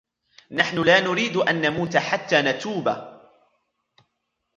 نَحْنُ لَا نُرِيدُ أَنْ نَمُوتَ حَتَّى نَتُوبَ